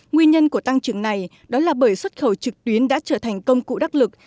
nguyên nhân của tăng trưởng này đó là bởi xuất khẩu trực tuyến đã trở thành công cụ đắc lực